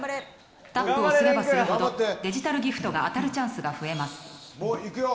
タップをすればするほどデジタルギフトが当たるチャンスが増えます。